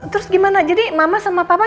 terus gimana jadi mama sama papa